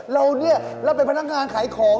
เราเนี่ยเราเป็นพนักงานขายของ